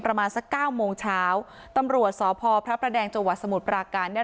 ประมาณสักเก้าโมงเช้าตำรวจสพพระประแดงจังหวัดสมุทรปราการเนี่ย